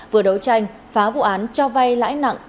vừa đấu tranh phá vụ án cho vay lãi nặng